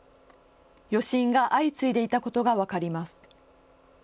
余震が相次いでいたことが分かります。